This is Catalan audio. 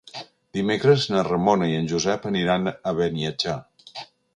Dimecres na Ramona i en Josep aniran a Beniatjar.